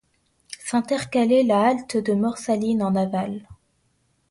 S'intercalait la halte de Morsalines en aval.